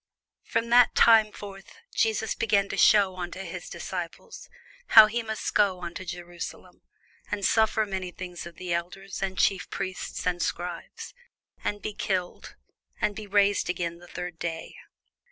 From that time forth began Jesus to shew unto his disciples, how that he must go unto Jerusalem, and suffer many things of the elders and chief priests and scribes, and be killed, and be raised again the third day.